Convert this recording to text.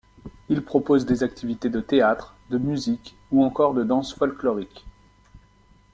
Il propose des activités de théâtre, de musique ou encore de danse folklorique.